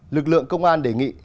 lực lượng công an đề nghị